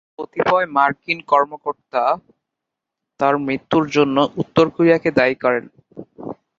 কতিপয় মার্কিন কর্মকর্তা তার মৃত্যুর জন্য উত্তর কোরিয়াকে দায়ী করেন।